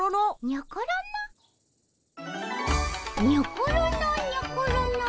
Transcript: にょころの？